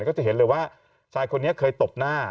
ก็จะเห็นเลยว่าชายคนนี้เคยตบหน้า